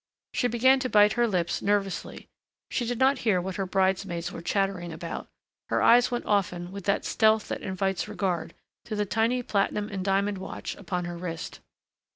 She began to bite her lips nervously... she did not hear what her bridesmaids were chattering about ... her eyes went often, with that stealth that invites regard, to the tiny platinum and diamond watch upon her wrist.